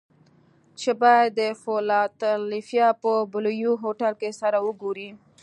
چې بايد د فلادلفيا په بلوويو هوټل کې سره وګوري.